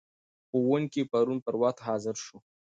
ښوونکی پرون پر وخت حاضر شو.